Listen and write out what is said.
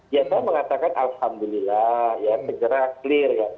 ya saya mengatakan alhamdulillah ya segera clear ya